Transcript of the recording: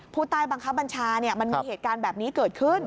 ผู้ใต้บังคับบัญชามันมีเหตุการณ์แบบนี้เกิดขึ้น